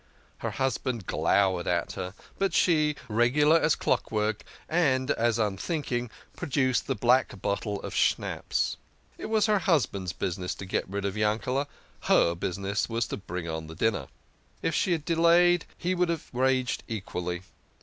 Her husband glowered at her, but she, regular as clockwork, and as unthinking, pro duced the black bottle of schnapps. It was her husband's business to get rid of Yankel ; her business was to bring on the dinner. If she had delayed, he would have raged equally.